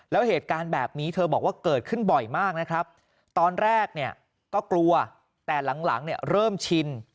แล้วเหตุการณ์แบบนี้เธอบอกว่าเกิดขึ้นบ่อยมากนะครับตอนแรกเนี่ยก็กลัวแต่หลังเนี่ยเริ่มชิน